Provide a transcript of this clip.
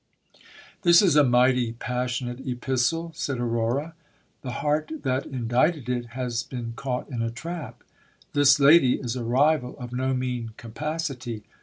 This is a mighty passionate epistle, said Aurora. The heart that indited it has been caught in a trap. This lady is a rival of no mean capacity.